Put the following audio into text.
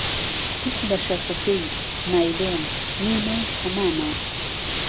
تف له شهرتهکهی، نایلۆن، نیمه و تهمامه